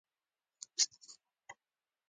غول د غوړو دروند بار لري.